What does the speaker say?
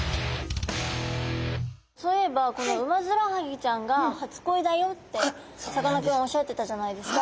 そういえばこのウマヅラハギちゃんが初恋だよってさかなクンおっしゃってたじゃないですか。